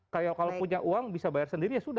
kalau punya uang bisa bayar sendiri ya sudah